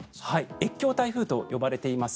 越境台風と呼ばれています。